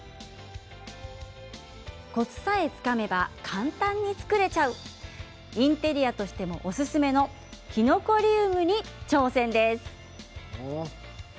コツさえつかめば簡単に作れちゃうインテリアとしてもおすすめのきのこリウムに挑戦です。